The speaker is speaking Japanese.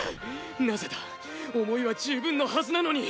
なぜだ思いは十分のはずなのに！